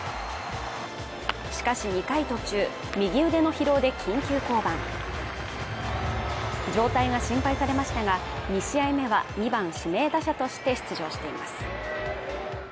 しかし２回途中右腕の疲労で緊急降板状態が心配されましたが２試合目は２番指名打者として出場しています